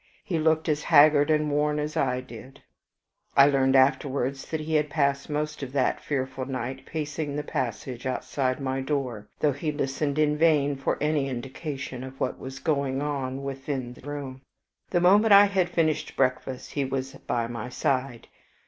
He looked as haggard and worn as I did: I learned afterwards that he had passed most of that fearful night pacing the passage outside my door, though he listened in vain for any indication of what was going on within the room. The moment I had finished breakfast he was by my side.